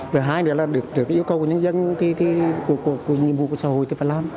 và hai nữa là được yêu cầu của nhân dân thì nhiệm vụ của xã hội thì phải làm